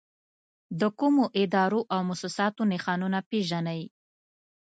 د کومو ادارو او مؤسساتو نښانونه پېژنئ؟